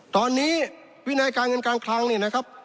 ตอนนี้วินัยการเงินการคลังเนี่ยนะครับ